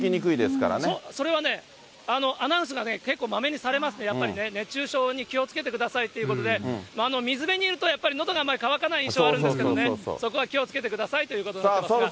それはね、アナウンスが結構まめにされますね、やっぱりね、熱中症に気をつけてくださいということで、水辺にいると、やっぱりのどがあまりかわかない印象あるんですけどね、そこは気をつけてくださいということになってますが。